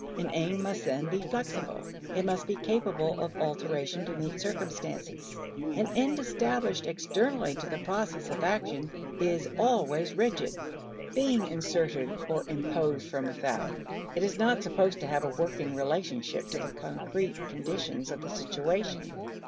An aim must, then, be flexible; it must be capable of alteration to meet circumstances. An end established externally to the process of action is always rigid. Being inserted or imposed from without, it is not supposed to have a working relationship to the concrete conditions of the situation.